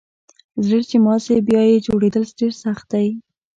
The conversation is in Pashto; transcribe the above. زړه چي مات سي بیا یه جوړیدل ډیر سخت دئ